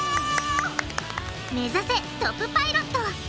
目指せトップ☆パイロット！